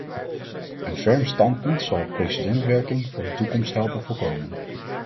Een ferm standpunt zal precedentwerking voor de toekomst helpen voorkomen.